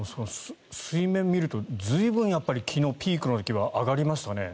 水面を見ると随分やっぱり、昨日ピークの時は上がりましたね。